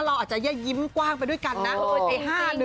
เราอาจจะยิ้มกว้างไปด้วยกันนะ